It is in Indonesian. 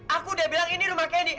aku udah bilang ini rumah candy